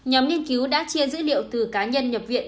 nhóm nghiên cứu đã chia dữ liệu từ cá nhân nhập viện